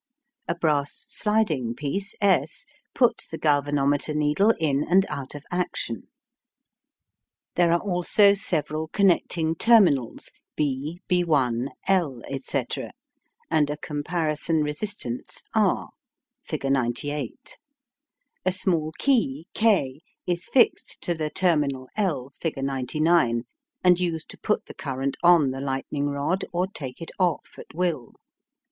A brass sliding piece S puts the galvanometer needle in and out of action. There are also several connecting terminals, b b', l, &c., and a comparison resistance R (figure 98). A small key K is fixed to the terminal l (figure 99), and used to put the current on the lightning rod, or take it off at will.